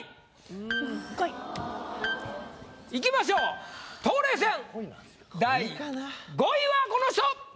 いきましょう冬麗戦第５位はこの人！